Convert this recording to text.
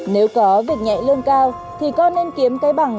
nếu có việc nhẹ lương cao thì con nên kiếm cái bằng